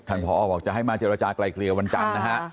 ผอบอกจะให้มาเจรจากลายเกลียวันจันทร์นะฮะ